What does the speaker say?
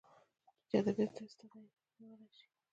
چې ادبياتو کې ته استادي نيولى شې.